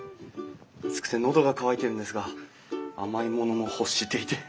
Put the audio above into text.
暑くて喉が渇いてるんですが甘いものも欲していて。